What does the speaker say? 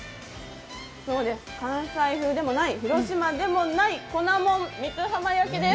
そうです、関西風でもない広島でもない、粉もん、三津浜焼きです。